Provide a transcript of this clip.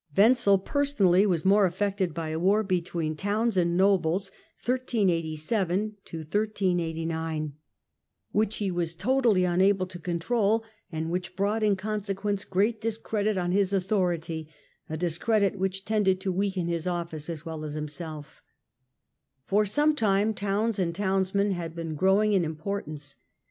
Town War, Weuzel personally was more affected by a war be 1387 1339 ' SCHISMS IN THE PAPACY AND EMPIRE 123 tween towns and nobles which he was totally unable to control, and which brought in consequence great discredit on his authority ; a discredit which tended to weaken his office as well as himself. For some time towns and townsmen had been growing in importance.